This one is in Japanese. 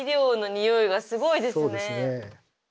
そうですね。